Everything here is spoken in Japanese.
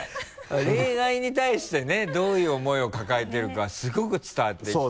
恋愛に対してねどういう思いを抱えてるかすごく伝わってきて。